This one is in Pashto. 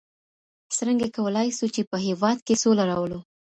څرنګه کولای سو چي په هېواد کي سوله راولو؟